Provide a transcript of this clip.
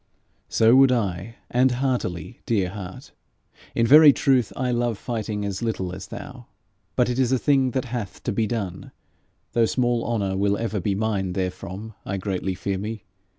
'So would I and heartily, dear heart! In very truth I love fighting as little as thou. But it is a thing that hath to be done, though small honour will ever be mine therefrom, I greatly fear me.